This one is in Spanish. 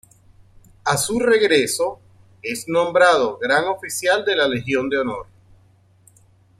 A su regreso, es nombrado gran oficial de la Legión de Honor.